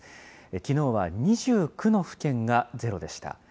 きのうは２９の府県がゼロでした。